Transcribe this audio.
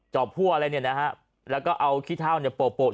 อบพั่วอะไรเนี่ยนะฮะแล้วก็เอาขี้เท่าเนี่ยโปะ